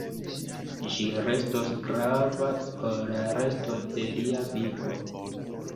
Ĝi restos grava por la resto de lia vivo.